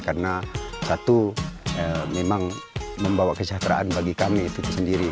karena satu memang membawa kesejahteraan bagi kami itu sendiri